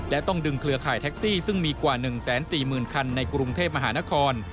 และต้องดึงเครือข่ายแท็กซี่ซึ่งมีกว่า๑๔๐๐๐คันในกรุงเทพมหานคร